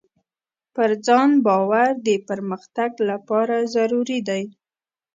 پر ځان باور د پرمختګ لپاره ضروري دی.